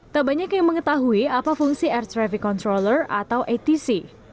tak banyak yang mengetahui apa fungsi air traffic controller atau atc